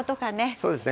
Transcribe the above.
そうですね。